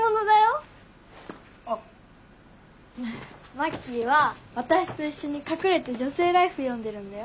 マッキーは私と一緒に隠れて「女性ＬＩＦＥ」読んでるんだよ。